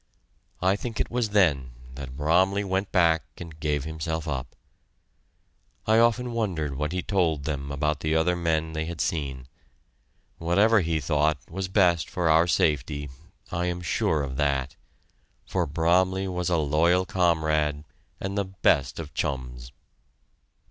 I think it was then that Bromley went back and gave himself up. I often wondered what he told them about the other men they had seen. Whatever he thought was best for our safety, I am sure of that, for Bromley was a loyal comrade and the best of chums.